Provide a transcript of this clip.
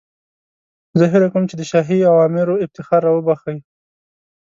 زه هیله کوم چې د شاهي اوامرو افتخار را وبخښئ.